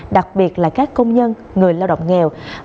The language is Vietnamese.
đặc biệt là các công nhân người lao động nghèo